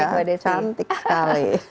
kita sudah cantik sekali